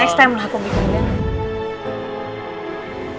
next time lah aku bikin